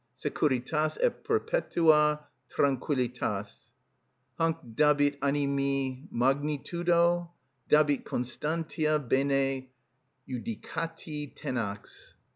Securitas et perpetua tranquillitas. Hanc dabit animi magnitudo, dabit constantia bene judicati tenax.